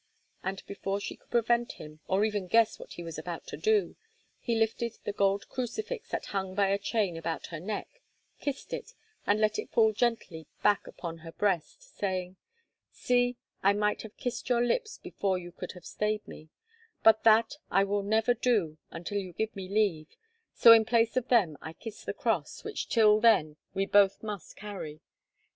And before she could prevent him, or even guess what he was about to do, he lifted the gold crucifix that hung by a chain about her neck, kissed it, and let it fall gently back upon her breast, saying, "See, I might have kissed your lips before you could have stayed me, but that I will never do until you give me leave, so in place of them I kiss the cross, which till then we both must carry.